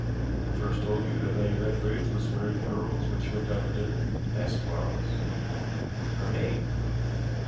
"Who first told you that Lady Leconbridge was wearing pearls when she went down to dinner?" asked Quarles. "Her maid."